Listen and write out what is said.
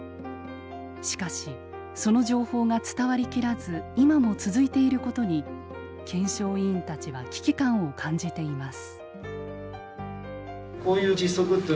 しかしその情報が伝わり切らず今も続いていることに検証委員たちは危機感を感じています。